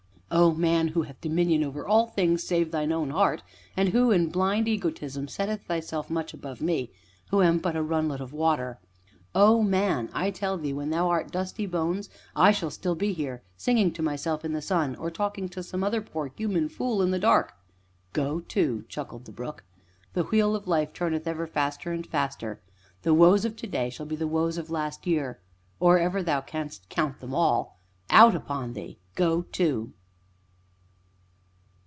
"O Man! who hath dominion over all things save thine own heart, and who, in thy blind egotism, setteth thyself much above me, who am but a runlet of water. O Man! I tell thee, when thou art dusty bones, I shall still be here, singing to myself in the sun or talking to some other poor human fool, in the dark. Go to!" chuckled the brook, "the Wheel of Life turneth ever faster and faster; the woes of to day shall be the woes of last year, or ever thou canst count them all out upon thee go to!"